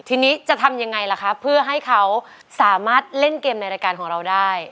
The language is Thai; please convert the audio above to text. ทีนี้จะทำยังไงล่ะคะเพื่อให้เขาสามารถเล่นเกมในรายการของเราได้